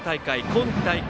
今大会